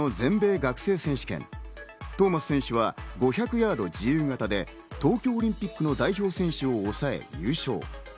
そして３月の全米学生選手権、トーマス選手は５００ヤード自由形で東京オリンピックの代表選手を抑え、優勝。